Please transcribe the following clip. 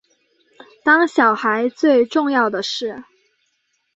当小孩最重要的事